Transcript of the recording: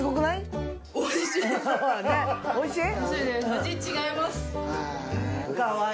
おいしい？